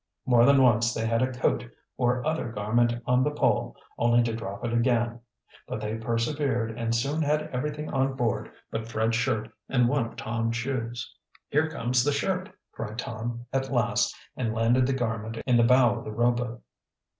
More than once they had a coat or other garment on the pole only to drop it again. But they persevered and soon had everything on board but Fred's shirt and one of Tom's shoes. "Here comes the shirt," cried Tom, at last, and landed the garment in the bow of the rowboat.